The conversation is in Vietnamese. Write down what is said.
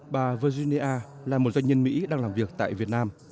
bà virginia là một doanh nhân mỹ đang làm việc tại việt nam